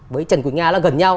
với trần quỳnh nga là gần nhau